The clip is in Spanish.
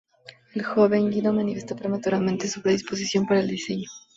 El joven Guido manifestó prematuramente su predisposición para el diseño.